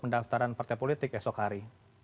pendaftaran partai politik esok hari